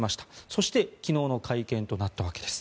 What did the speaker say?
そして昨日の会見となったわけです。